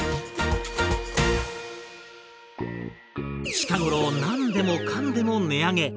近頃何でもかんでも値上げ。